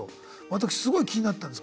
私すごい気になってたんです。